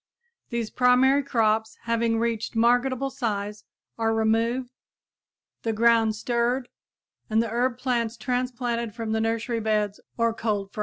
These primary crops, having reached marketable size, are removed, the ground stirred and the herb plants transplanted from nursery beds or cold frames.